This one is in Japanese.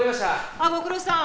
ああご苦労さん。